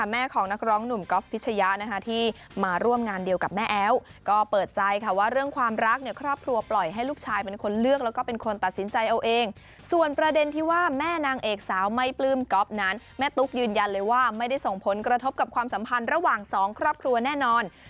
แม่ของนักร้องหนุ่มก๊อฟพิชยะนะคะที่มาร่วมงานเดียวกับแม่แอ๊วก็เปิดใจค่ะว่าเรื่องความรักเนี่ยครอบครัวปล่อยให้ลูกชายเป็นคนเลือกแล้วก็เป็นคนตัดสินใจเอาเองส่วนประเด็นที่ว่าแม่นางเอกสาวไม่ปลื้มก๊อฟนั้นแม่ตุ๊กยืนยันเลยว่าไม่ได้ส่งผลกระทบกับความสัมพันธ์ระหว่างสองครอบครัวแน่นอน